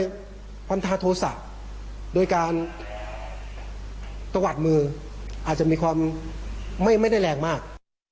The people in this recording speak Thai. ความทาโทษศักดิ์โดยการตวัดมืออาจจะมีความไม่ได้แรงมาก